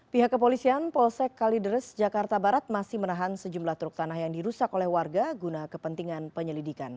pihak kepolisian polsek kalideres jakarta barat masih menahan sejumlah truk tanah yang dirusak oleh warga guna kepentingan penyelidikan